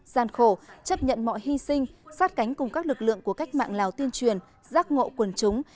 gian khổ chấp nhận mọi hy sinh sát cánh cùng các lực lượng của cách mạng lào tuyên truyền giác ngộ quần chúng